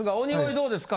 どうですか？